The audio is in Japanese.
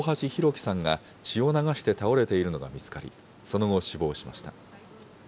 輝さんが血を流して倒れているのが見つかり、その後、死亡しました。